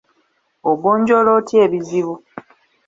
Ogonjoola otya ebizibu?